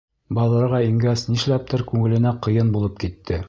Баҙарға ингәс, нишләптер күңеленә ҡыйын булып китте.